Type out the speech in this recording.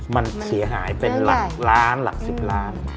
มันเสียหายเป็นหลักล้านหลัก๑๐ล้าน